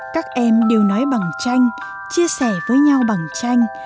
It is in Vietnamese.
các em đều nói bằng tranh chia sẻ với nhau bằng tranh